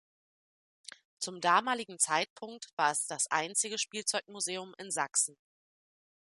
Zum damaligen Zeitpunkt war es das einzige Spielzeugmuseum in Sachsen.